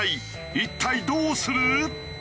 一体どうする？